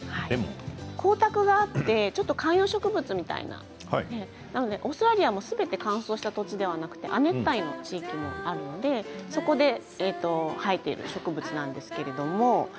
光沢があって観葉植物みたいなものなのでオーストラリアもすべて乾燥した土地ではなく亜熱帯の地域がありますのでそこに生えている植物です。